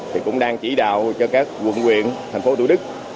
thì cũng đang chỉ đạo cho các quận quyện thành phố thủ đức